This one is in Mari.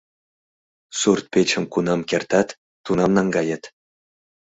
Сурт-печым кунам кертат, тунам наҥгает.